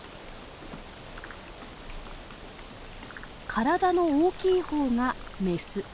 体の大きい方がメス。